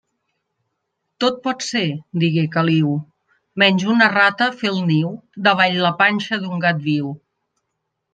Tot pot ser, digué Caliu, menys una rata fer el niu davall la panxa d'un gat viu.